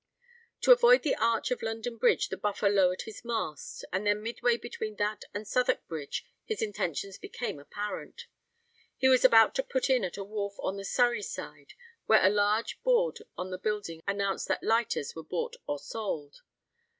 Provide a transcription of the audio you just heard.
To avoid the arch of London Bridge the Buffer lowered his mast; and then midway between that and Southwark Bridge, his intentions became apparent. He was about to put in at a wharf on the Surrey side, where a large board on the building announced that lighters were bought or sold.